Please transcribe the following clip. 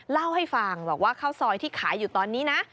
เล่าให้ฟังบอกว่าข้าวซอยที่ขายอยู่ตอนนี้นะ